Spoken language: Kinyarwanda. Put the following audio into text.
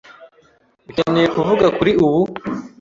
Ukeneye kuvuga kuri ubu?